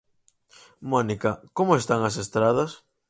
Mónica, como están as estradas?